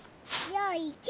よいしょ。